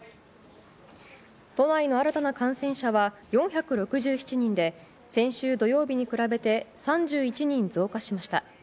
都内の新たな感染者は４６７人で先週土曜日に比べて３１人増加しました。